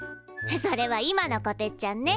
それは今のこてっちゃんね。